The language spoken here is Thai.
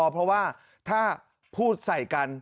เพราะว่าถ้าพูดใส่กัน